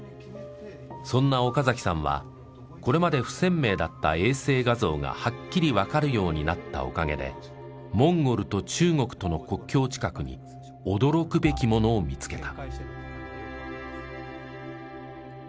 そんな岡崎さんはこれまで不鮮明だった衛星画像がはっきりわかるようになったおかげでモンゴルと中国との国境近くに驚くべきものを見つけた。